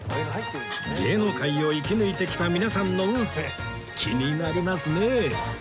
芸能界を生き抜いてきた皆さんの運勢気になりますね